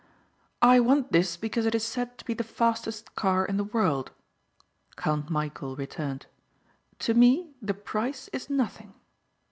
"I want this because it is said to be the fastest car in the world," Count Michæl returned. "To me the price is nothing."